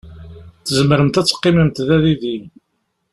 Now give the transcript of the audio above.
Tzemremt ad teqqimemt da yid-i